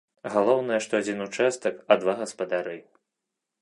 Галоўнае, што адзін участак, а два гаспадары!